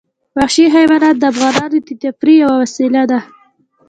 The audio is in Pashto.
وحشي حیوانات د افغانانو د تفریح یوه وسیله ده.